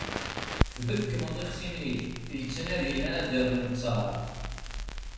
Tbekkmeḍ ixṣimen-ik yettnadin ad d-rren ttar.